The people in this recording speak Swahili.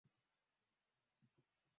Namna ya kawaida ni kufanya tohara